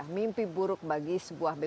mimpi buruk bagi sebuah bebek